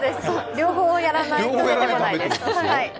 両方やらないと分からないです。